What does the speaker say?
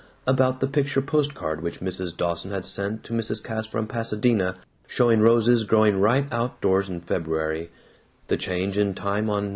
About the picture post card which Mrs. Dawson had sent to Mrs. Cass from Pasadena, showing roses growing right outdoors in February, the change in time on No.